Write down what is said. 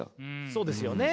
そうですよね。